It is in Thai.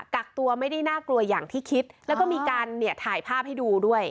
กักตัวไม่ได้น่ากลัวอย่างที่คิดแล้วก็มีการเนี่ยถ่ายภาพให้ดูด้วย